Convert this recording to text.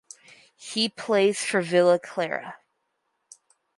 He plays for Villa Clara.